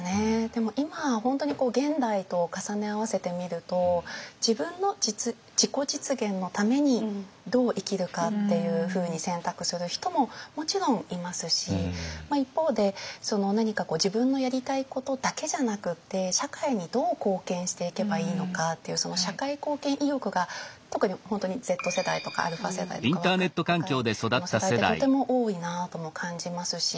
でも今本当に現代と重ね合わせてみると自分の自己実現のためにどう生きるかっていうふうに選択する人ももちろんいますし一方で何か自分のやりたいことだけじゃなくって社会にどう貢献していけばいいのかっていうその社会貢献意欲が特に本当にＺ世代とかα世代とか若い世代ってとても多いなとも感じますし。